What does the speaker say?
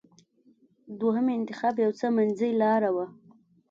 دوهم انتخاب یو څه منځۍ لاره وه.